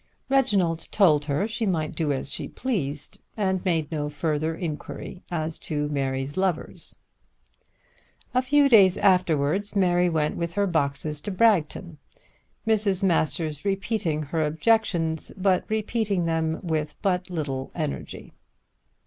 Reginald told her she might do as she pleased and made no further inquiry as to Mary's lovers. A few days afterwards Mary went with her boxes to Bragton, Mrs. Masters repeating her objections, but repeating them with but little energy.